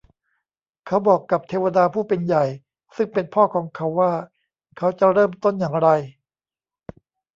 เขาบอกกับเทวดาผู้เป็นใหญ่ซึ่งเป็นพ่อของเขาว่า เขาจะเริ่มต้นอย่างไร